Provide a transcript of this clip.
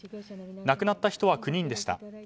亡くなった人は９人でした。